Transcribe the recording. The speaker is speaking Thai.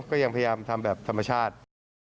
ก็ยังพยายามทำแบบธรรมชาติ